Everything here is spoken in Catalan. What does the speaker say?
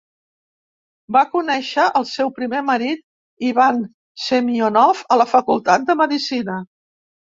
Va conèixer el seu primer marit, Ivan Semyonov, a la facultat de medicina.